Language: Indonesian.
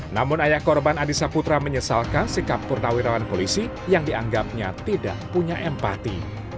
namun ayah korban adisa putra menyesalkan sikap purnawirawan polisi yang dianggapnya tidak punya empati